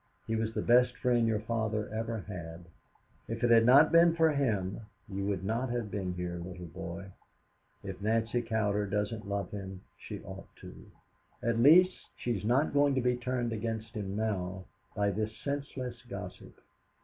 He was the best friend your father ever had. If it had not been for him you would not have been here, little boy. If Nancy Cowder doesn't love him, she ought to. At least she is not going to be turned against him now by this senseless gossip."